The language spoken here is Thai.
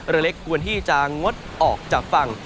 เรือเล็กควรที่จะงดออกจากฝั่ง